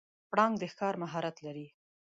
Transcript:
پړانګ د ښکار مهارت لري.